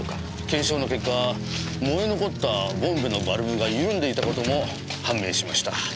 検証の結果燃え残ったボンベのバルブが緩んでいたことも判明しました。